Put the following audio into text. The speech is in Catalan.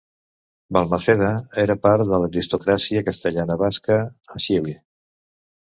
Balmaceda era part de l'aristocràcia castellana-basca a Xile.